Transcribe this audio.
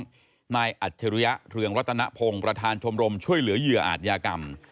ของแน่นายอาจริยะเทรียร์วัตถนพงศ์ประธานชมช่วยเหลือเยืออาทยากรรม